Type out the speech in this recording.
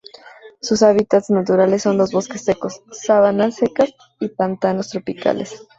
Sus hábitats naturales son los bosques secos, sabanas secas, y pantanos tropicales.